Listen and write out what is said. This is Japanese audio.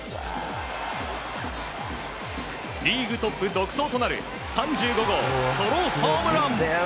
リーグトップ独走となる３５号ソロホームラン！